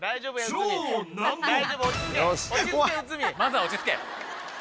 ・まずは落ち着け